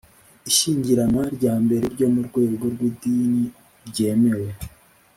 ishyingiranwa rya mbere ryo mu rwego rw idini ryemewe